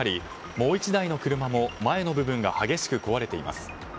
もう１台の車も前の部分が激しく壊れています。